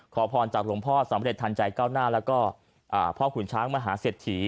ขอพรจากหลวงพ่อสำเร็จทันใจก้าวหน้าแล้วก็พ่อขุนช้างมหาเศรษฐี